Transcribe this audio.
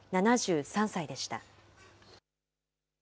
７３歳でした。